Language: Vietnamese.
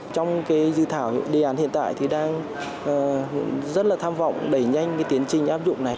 trong dự thảo đề án hiện tại thì đang rất là tham vọng đẩy nhanh tiến trình áp dụng này